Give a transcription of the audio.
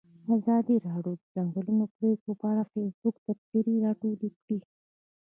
ازادي راډیو د د ځنګلونو پرېکول په اړه د فیسبوک تبصرې راټولې کړي.